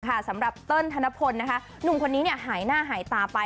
สำหรับเติ้ลธนพลนะคะหนุ่มคนนี้เนี่ยหายหน้าหายตาไป